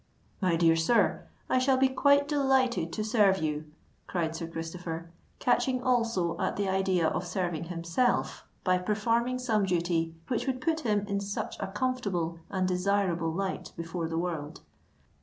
"My dear sir, I shall be quite delighted to serve you," cried Sir Christopher, catching also at the idea of serving himself by performing some duty which would put him in such a comfortable and desirable light before the world.